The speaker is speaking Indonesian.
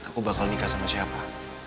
aku bakal nikah sama siapa